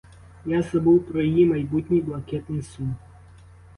Я забув про її майбутній блакитний сум.